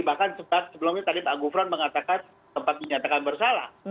bahkan sebelumnya tadi pak gufran mengatakan tempat dinyatakan bersalah